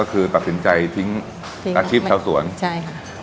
ก็คือตัดสินใจทิ้งอาชีพชาวสวนใช่ค่ะ